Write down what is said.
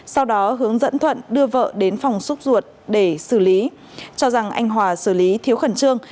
sau đó hướng dẫn thuận đưa vợ đến phòng xúc ruột để xử lý cho rằng anh hòa xử lý thiếu khẩn trương